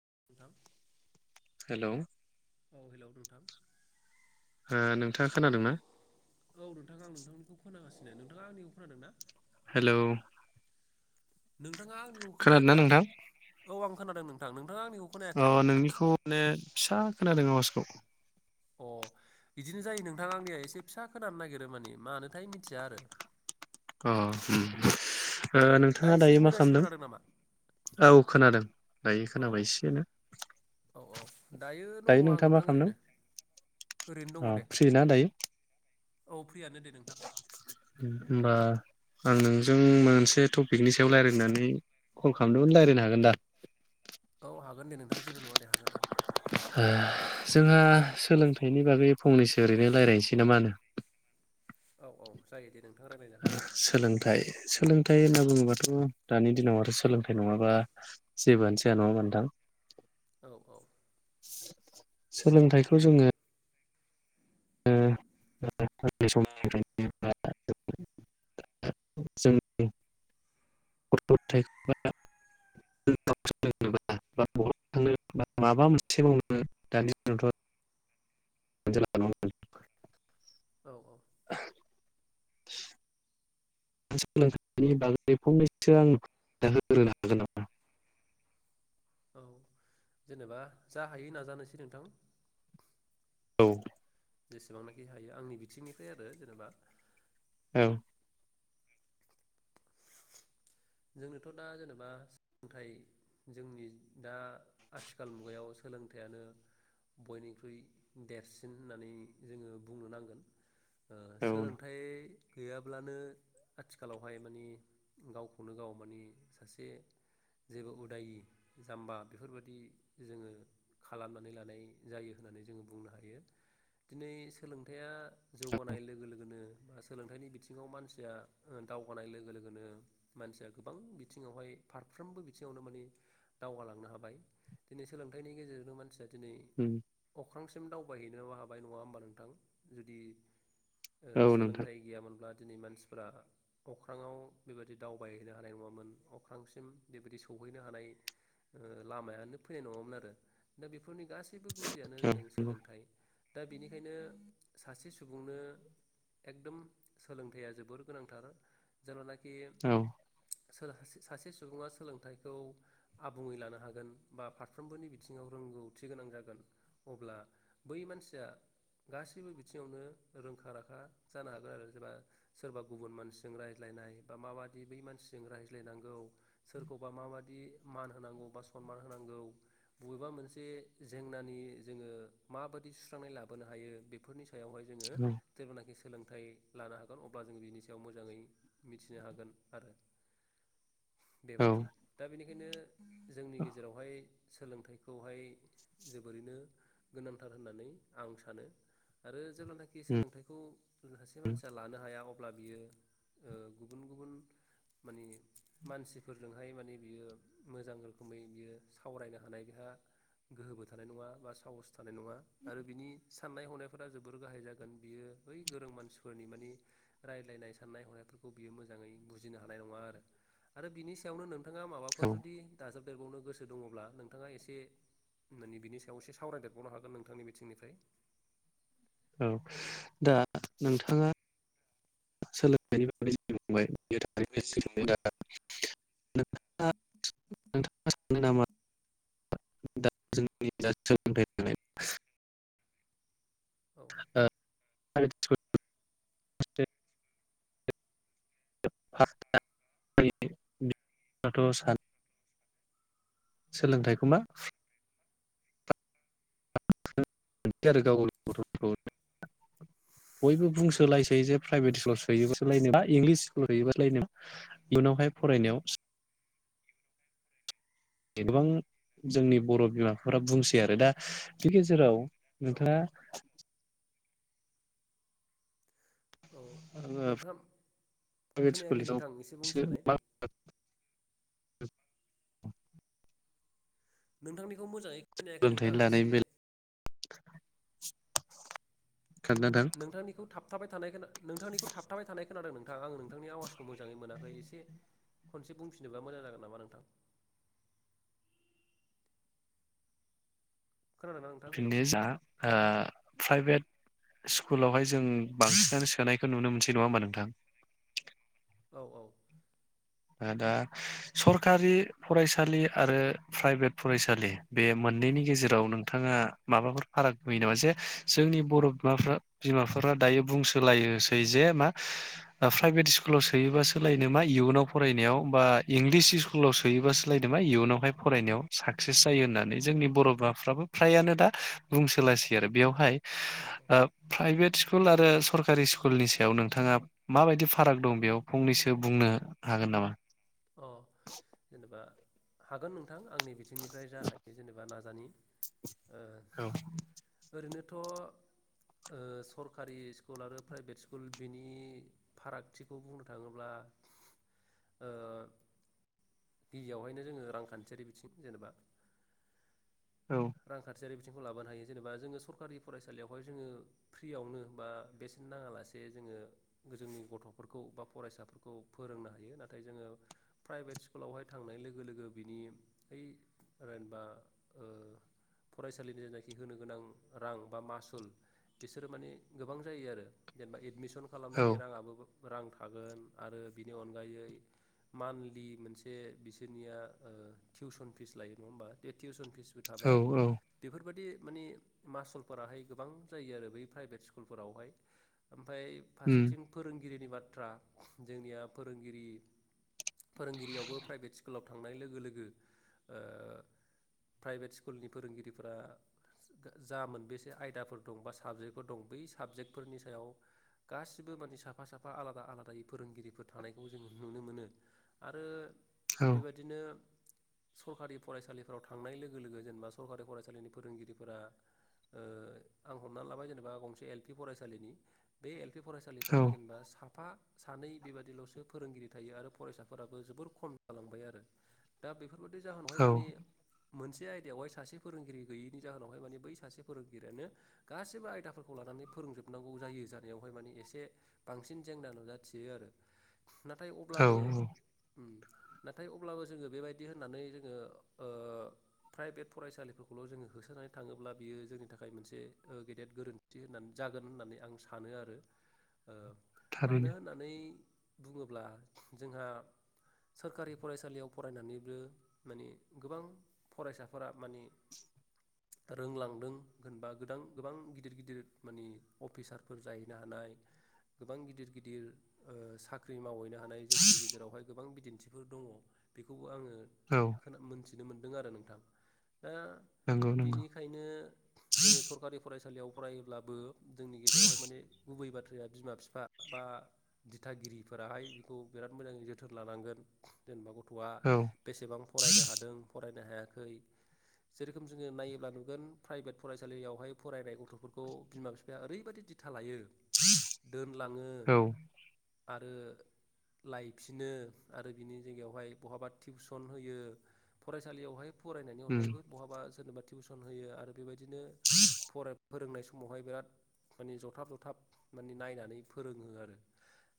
[inaudible] Hello औ hello नोंथां ओ नों औ नोंथां आं नोंथांनिखौ खोनागासिन नो नोंथाङा आंनिखौ खोनादों ना हेलौ नों थाङा आंनिखौ खोनादों खोनादोंना ना नोंथां औ आं खोनादों नोंथां नों अ नोंनिखौ माने फिसा खोनादों आवासखौ अ बिदिनो जायो नोंथां आंनिया एसे फिसा खोनानो नागिरो माने मानोथाय मिथिया आरो अ उम ओ दा नोंथाङा एसे दायो मा मोजांसिन खालामदों खोनादों नामा? औ खोनादों दायो औ खोनाबाय औ एसे नो औ औ दङ दायो आं नोंथाङा मा नोंथां ओरैनो ओरैनो दङ खालामदों दे फ्रि ना दायो औ फ्रियानो दे नोंथां आ आं नोंजों मोनसे टपिकनि सायाव लायरायनानै कल खालामदोंमोन लायरायनो हागोन दा औ हागोन दे नोंथां जेबो नङा दे हागोन औ आह जोंहा सोलोंथाइनि बागै फंनैसो ओरैनो लायरायनोसै ना मा होनो औ औ जायो दे नों आह सोलोंथाइ सोलोंथ थाइ होनना बुङोबाथ' दानि दिनाव आरो सोलोंथाइ नङाबा जेबोआनो जाया नङा होनबा नोथां औ औ सोलोंथाइखौ जोङो [unintelligible] [unintelligible] बा माबा औ मोनसे मावनो [unintelligible] [unintelligible] औ औ सोलोंथाइनि बागै फंनैसो आं [unintelligible] होग्रोनो हागोन नामा औ जेनेबा जा हायो नाजानोसै नोंथां औ जेसेबांनाखि हायो आंनि बिथिंनिफ्राय आरो जेनेबा ओं जोंनोथ' दा जेनेबा सोलोंथाइ जोंनि दा आथिखाल मुगायाव सोलोंथाइ आनो बयनिख्रुइ देरसिन होननानै जोङो बुंनो नांगोन ओ औ सोलोंथाइ गैयाब्लानो आथिखालावहाय मानि गाव गनो गाव मानि सासे जेबो उदायि जाम्बा बेफोरबादि जोङो खालामनानै लानाय जायो होननानै जोङो बुंनो हायो दिनै सोलोंथाइया जौगानाय लोगो लोगोनो बा सोलोंथाइनि बिथिङाव मानसिया ओ दावगानाय लोगो लोगोनो मानसिया गोबां बिथिङावहाय फारफ्रोमबो बिथिङावनो माने दावगालांनो हाबाय दिनै सोलोंथाइनि गेजेरजोंनो मानसिया दिनै अक ख्रांसिम दावबायहैनो हाबाय नङा होमबा नोंथां जुदि ओ औ नोंथां सोलोंथाइ गैयामोनब्ला दिनै मानसिफ्रा अख्राङाव बेबादि दावबायहैनो हानाय नङामोन अख्रांसिम बेबायदि सौहैनो हानाय ओ लामायानो फैनाय नङामोन आरो दा बे फोरनि गासैबो गुदियानो औ जादों नंगौ सोलोंथाइ दा बिनिखायनो सासे सुबुंनो एकदम सोलोंथाइया जोबोर गोनांथार जेब्लानाख खि औ सोरहा से सासे सुबुङा सोलोंथाइखौ आबुङै लानो हागोन बा फारफ्रोमबोनि बिथिङाव रोंगौथि गोनां जागोन अब्ला बै मानसिया गासैबो बिथिङावनो रोंखा राखा जानो हागोन आरो जेबा सोरबा गुबुन मानसिजों रायज्लायनाय बा माबाद दि बै मानसिजों रायज्लायनांगौ सोरखौबा माबादि मान होनांगौ बा सनमान होनांगौ बबेबा मोनसे जेंनानि जोङो माबादि सुस्रांनाय लाबोनो हायो बेफोरनि स सायावहाय जोङो औ देबनाखिस सोलोंथाइ लानो हागोन अब्ला जों बिनि सायाव मोजाङै मिथिनो हागोन आरो बेबादि दा बिनि गिनो जोंनि गेजेरावहाय सोलोंथाइखौहाय जोबोरैनो गोनांथार होननानै आं सानो आरो जेब्लानाखि सोलोंथाइखौ सासे मानसिया लानो हाया अब्ला बियो ओ गुबुन गुबुन मानि मानसिफोरजोंहाय मानि बियो मोजां रोखोमै बियो सावरायनो हानाय बिहा गोहोबो थानाय नङा बा साहस थानाय नङा आरो बिनि साननाय हनायफोरा जोबोर गाहाय जागोन बियो बै गोरों मानसिफोरनि मानि रायजलायनाय साननाय हनायफोरखौ बियो मोजाङै बु जिनो हानाय नङा आरो आरो बिनि सायावनो नों थाङा औ माबाफोर जुदि दाजोब देरबावनो गोसो दङब्ला नोंथाङा एसे माने बिनि सायाव एसे सावरायदेरबावनो हागोन नोंथांनि बिथिंनिफ्राय औ दा नोंथाङा बे जिबौआ [unintelligible] [unintelligible] [unintelligible] औ ओ [unintelligible] [unintelligible] सोलोंथाइखौ मा [unintelligible] बयबो उम बुंसोलायसै जे प्राइभेट स्कुलाव‌ [unintelligible] इयुनावहाय फरायनायाव गोबां जोंनि बर' बिमाफोरा बुंसै आरो दा बि गेजेराव औ नोंथाङा औ नोंथाङा खोनायाखै नोंथां एसे [unintelligible] बुंफिनलाय [inaudible] नोंथांनिखौ मोजाङै खोनायाखै सोलोंथाइ नोंथां लानायनि एसे बेलायाव खोन्थानो नोंथां नोंथांनिखौ थाबथाबाय थानाय खोना नोंथांनिखौ थाबथाबाय थानाय खोनादों नों थां आं नों थांनि आवासखौ मोजाङै मोनाखै एसे खनसे बुंफिनोबा मोजां जागोन नामा नोंथां। खोनादोंना नोंथां हेलौ फिन्नो जा हो प्राइभेट स्कुल आवहाय जों बांसिनानो सोनायखौ नुनो मोनसै। नङा होमबा नोंथां? औ औ। आ दा सरखारि फरायसालि आरो प्राइभेट फरायसालि बे मोननैनि गेजेराव नोंथाङा माबाफोर फाराग मुयो नामा जे जोंनि बर' माफ्रा बिमाफ्रा दायो बुंसोलायसै जे मा ओ प्राइभेट स्कुलाव सोयो बासोलायनो मा इयुनाव फरायनायाव बा इंलिस इस्कुलाव सोयो बासोलायनो मा इयुनावहाय फरायनायाव साकसेस जायो होननानै जोंनि बर' माफ्राबो फ्रायानो दा बुंसोलासै आरो बेवहाय औ ओ प्राइभेट स्कुल आरो सरकारि स्कुलनि सायाव नोंथाङा माबायदि फाराग दं बेयाव फंनैसो बुंनो हागोन नामा? अ जेनेबा हागोन नोंथां आंनि बि थिंनिफ्राय जा हायो जेनेबा नाज दानि ओ औ। ओरैनोथ' ओ सरकारि स्कुल आरो प्राइभेट स्कुल बिनि फारागथिखौ बुंनो थाङोब्ला ओ गिबियावहायनो जोङो रांखान्थियारि बिथिं जेनेबा औ रांखान्थियारि बि थिंखौ लाबोनो हायो जेनेबा जोङो सरकारि फरायसालियावहाय जोङो फ्रियावनो बा बेसेन नाङालासे जोङो जोंनि गथ'फोरखौ बा फरायसाफोरखौ फोरोंनो हायो नाथाय जोङो प्राइभेट स्कुलावहाय थांनाय लोगो लोगो बिनि ‌ओइ रेनबा ओ फरायसालिनि जेनाखि होनो गोनां रां बा मासुल बिसोरो माने गोबां जायो आरो जेनेबा ए डमिसन खालामनायनि औ राङाबो रां थागोन आरो बिनि अनगायै मान्थलि मोनसे बिसोरनिया ओ टिउसन फिस लायो नङा होमबा बे टिउसन फिस औ थाबाय औ बेफोरबादि माने मासुलफोराहाय गोबां जायो आरो बै प्राइभेट स्कुलफोरावहाय ओम फाय उम फारसेथिं फोरों गिरिनि बाथ्रा जोंनिया फोरोंगिरि फोरोंगिरियावबो प्राइभेट स्कुलाव थांनाय लोगो लोगो ओ प्राइभेट स्कुलनि फोरोंगिरिफोरा जा मोनबेसे आयदाफोर दं बा साबजेक्टफोर दं बै साबजेक्टफोरनि सायाव गासिबो माने साफा साफा आलादा आलादायै फोरोंगिरिफोर थानायखौ जोङो नुनो मोनो। आरो औ बेबादिनो सरकारि फरायसालिफोराव थांनाय लोगो लोगो जेनेबा सरकारि फरायसालिनि फोरोंगिरिफोरा ओ आं हमनानै लाबाय जेनेबा गंसे एल पि फरायसालिनि बे एल फि औ फरायसालिफोरावहाय जेनबा सा फा सानै बेबादिल'सो फोरोंगिरि थायो आरो फरायसाफोराबो जोबोर खम जालांबाय आरो दा बेफोर [unintelligible] जाहोनावहाय औ माने मोनसे आयदायावहाय सासे फोरोंगिरि गैयैनि जाहोनावहाय माने बै सासे फोरोंगिरियानो गासिबो आयदाफोरखौ लानानै फोरोंजोबनांगौ जायो जानायावहाय माने एसे बांसिन जेंना नुजाथियो आरो। नाथाय औ अब्लाबो औ उम नाथाय अब्लाबो जोङो बेबायदि होननानै जोङो ओ प्राइभेट फरायसालिफोरखौल' जोङो होसोनानै थाङोब्ला बियो जोंनि थाखाय मोनसे ओ गेदेद गोरोन्थि होननानै जागोन होननानै आं सानो आरो। ओ मानो थारैनो होननानै बुङोब्ला जोंहा सोरखारि फरायसालियाव फरायनानैबो माने गोबां फरायसाफोरा माने रोंलांदों होनबा गोदां गोबां गिदिर गिदिर माने अफिसारफोर जाहैनो हानाय गोबां गिदिर गिदिर ओ साख्रि मावहैनो हानाय नि गेजेरावहाय गोबां बिदिन थिफोर दङ बेखौ आङो औ खोना मोनथि नो मोनदों आरो नोंथां। दा नंगौ नंगौ बिनिखायनो जोङो सरखारि फरायसालियाव फरायोब्लाबो जोंनि गेजेरावहाय माने गुबै बाथ थ्राया बिमा फिफा बा दिथागिरिफोराहाय बेखौ बेराद मोजाङै जोथोन लानांगोन। जेनेबा गथ थ'आ औ बेसेबां फरायनो हादों फराय नायनो हायाखै जेरोखोम जोङो नायोब्ला नुगोन प्राइभेट फरायसालियावहाय फरायनाय गथ'फोरखौ बिमा फिफाया ओरैबायदि दिथा लायो दोनलाङो औ आरो लायफिनो आरो बिनि जायगायावहाय बहाबा टिउसन होयो फरायसालियावहाय फरायनायनि उम अनगायैबो बहाबा सोरनोबा टिउसन होयो आरो बेबाय दिनो फराय फोरोंनाय समावहाय बिराद माने जथाब जथाब माने नायनानै फोरोङो आरो।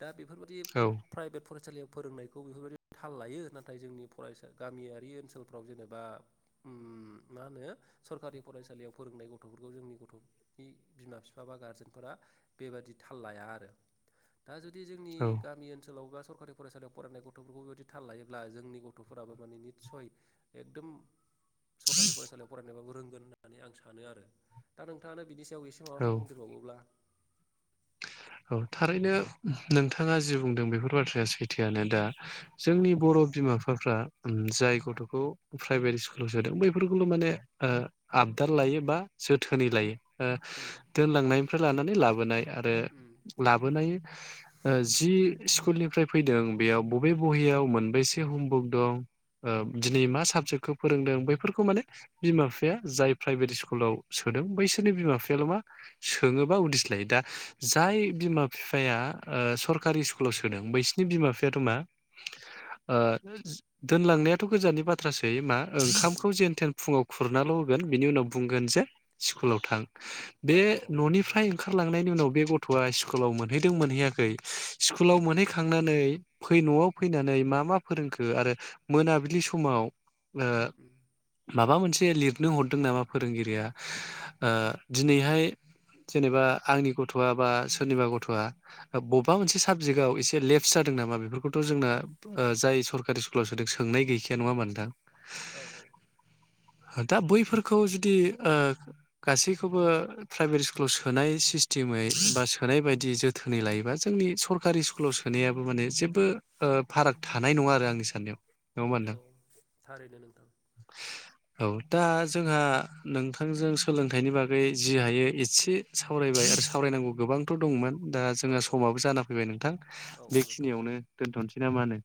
दा बेफोरबादि औ प्राइभेट फरायसालियाव फोरोंनायखौ बेफोरबायदि थाल लायो नाथाय जोंनि फरायसा गामियारि ओनसोलफ्राव जेनेबा उम मा होनो सरखारि फरायसालियाव फोरोंनाय गथ'फोरखौ जोंनि गथ'नि बिमा बिफा बा गारजेनफोरा बेबादि थाल लाया आरो। दा जुदि जोंनि औ गामि ओन सोलाव ब्ला सरखारि फरायसालियाव फरायनाय गथ'फोरखौ बेबायदि थाल लायोब्ला जोंनि गथ'फोराबो माने निस्सय एकदम सरकारि फरायसालियाव फरायनायबाबो रों गोन होननानै आं सानो आरो दा नोंथाङानो बिदि याव एसे औ माबाफोर बुंदेर बावोब्ला औ थारैनो नोंथाङा जि बुंदों बेफोर बाथ्राया सैथोआनो दा जोंनि बर' बिमा बिफाफ्रा उम जाय गथ'खौ प्राइभेट स्कुलाव सोदों बैफोरखौल' माने ओ आबदाल लायो बा जोथोनै लायो। ओ उम दोनलांनायनिफ्राय लानानै लाबोनाय आरो उम लाबोनाय ओ जि स्कुलनिफ्राय फैदों बेयाव बबे बहियाव मोनबेसे हमवर्क दं ओ दिनै मा साबजेक्टखौ फोरोंदों बैफोरखौ माने बिमा बिफाया जाय प्राइभेट स्कुलाव सोदों बैसोरनि बिमा बिफायाल' मा सोङोबा उदिस लायो दा उम जाय बिमा फिफाया ओ सरकारि स्कुलाव सोदों बैसिनि बिमा बिफायाथ' मा ओ दोनलांनायाथ' गोजाननि बाथ्रासै मा उम ओंखामखौ जेन थेन फुङाव खुरनाल' होगोन बिनि उनाव बुंगोन जे स्कुलाव थां बे औ औ न'निफ्राय ओंखारलांनाय नि उनाव बे गथ'आ स्कुलाव मोनहैदों मोनहैयाखै स्कुलाव उम मोनहैखांनानै फै न'आव फैनानै मा मा फोरोंखो आरो मोनाबिलि समाव ओ उम माबा मोन से लिरनो हरदों नामा फोरोंगिरिया ओ दिनैहाय जेनेबा आंनि ग थ'वा बा सोरनिबा गथ'आ उम बबेबा मोनसे साबजेक्टआव एसे लेप्स जादों नामा बेफोरखौथ' जोंना जाय सरकारि स्कुलाव सोदों सोंनाय गैखाया नङा होमबा नोंथां औ औ दा बैफोरखौ जुदि ओ गासैखौबो प्राइभेट स्कुलाव सोनाय सि टिमै बा सोनाय बायदि जोथोनै लायोबा जोंनि सरकारि स्कुलाव सोनायाबो माने जेबो ओ फाराग थानाय नङा आरो आंनि साननायाव नङा होमबा औ नोंथां थारैनो नोंथां औ दा जोंहा नोंथांजों सोलोंथाइनि बागै जि हायो एसे सावरायबाय आरो सावरायनांगौ गोबांथ' दंमोन दा औ जोंहा औ समाबो जाना फैबाय नोंथां औ औ नोंथां बेखिनियावनो दोनथ'सै ना मा होनो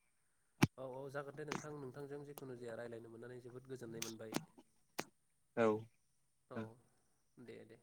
जिखुनुजाया रायलायनो मोननानै जोबोद गोजोननाय मोनबाय औ औ ओ दे दे